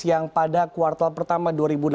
yang pada kuartal pertama dua ribu delapan belas